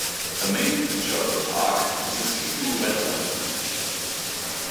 The main feature of the park is a seasonal wetland.